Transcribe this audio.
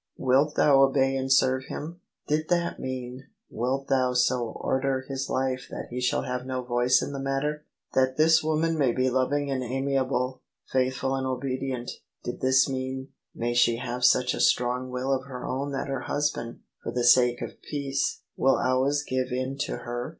" Wilt thou obey and serve him? "— did that mean, " Wilt thou so order his life that he shall have no voice in the matter ?"" That this woman may be lov ing and amiable, faithful and obedient": — did this mean, " May she have such a strong will of her own that her hus band, for the sake of peace, will always give in to her